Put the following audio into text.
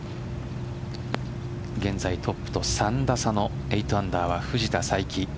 現在、トップと３打差の８アンダーは藤田さいき。